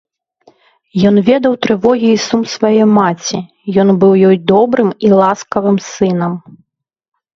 Ён ведаў трывогі і сум свае маці, ён быў ёй добрым і ласкавым сынам.